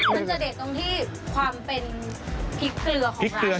มันจะเด็ดตรงที่ความเป็นพิกเกลือของร้านนี้ใช่ไหม